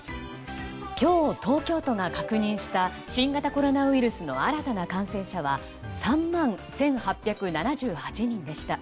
今日、東京都が確認した新型コロナウイルスの新たな感染者は３万１８７８人でした。